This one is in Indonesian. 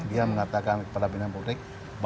dia mengatakan kepada pimpinan publik